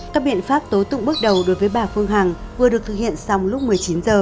các biện pháp tố tụng bước đầu đối với bà phương hằng vừa được thực hiện xong lúc một mươi chín h